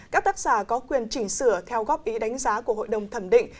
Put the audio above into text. các tác giả có quyền chỉnh sửa theo góp ý đánh giá của hội đồng thẩm định